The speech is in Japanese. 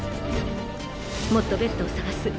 もっとベッドを探す。